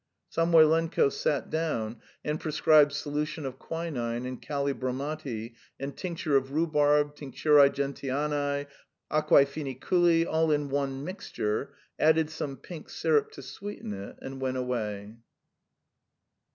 Samoylenko sat down and prescribed solution of quinine and kalii bromati and tincture of rhubarb, tincturæ gentianæ, aquæ foeniculi all in one mixture, added some pink syrup to sweeten it, and went away.